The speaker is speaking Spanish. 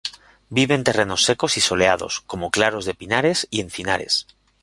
Vive en terrenos secos y soleados, como claros de pinares y encinares.